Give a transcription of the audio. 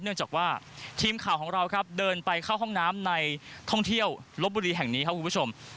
เนื่องจากว่าทีมข่าวของเราครับเดินไปเข้าห้องน้ำในท่องเที่ยวลบบุรีแห่งนี้ครับคุณผู้ชม